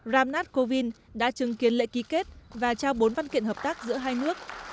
ram nath kovind đã chứng kiến lệ ký kết và trao bốn văn kiện hợp tác giữa hai nước